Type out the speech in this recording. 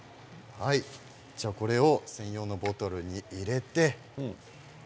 専用のボトルに入れて。